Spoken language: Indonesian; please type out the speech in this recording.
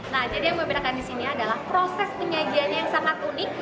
nah jadi yang membedakan di sini adalah proses penyajiannya yang sangat unik